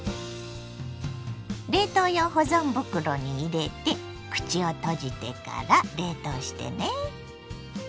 冷凍用保存袋に入れて口を閉じてから冷凍してね。